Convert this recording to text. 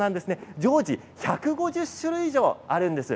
常時１５０種類以上あるんです。